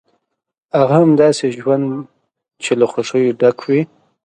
هغه هم داسې ژوند چې له خوښیو ډک وي.